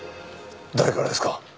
誰からですか？